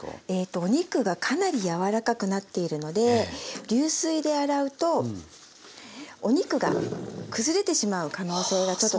お肉がかなり柔らかくなっているので流水で洗うとお肉が崩れてしまう可能性がちょっと高いんですね。